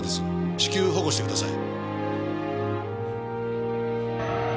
至急保護してください。